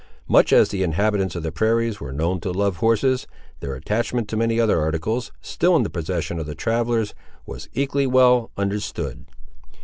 Much as the inhabitants of the prairies were known to love horses, their attachment to many other articles, still in the possession of the travellers, was equally well understood.